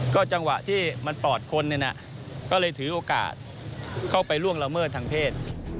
ก็จังหวะที่มันปอดคนเนี่ยนะก็เลยถือโอกาสเข้าไปล่วงละเมิดทางเพศ